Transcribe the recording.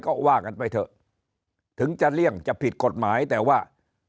ก็ว่ากันไปเถอะถึงจะเลี่ยงจะผิดกฎหมายแต่ว่า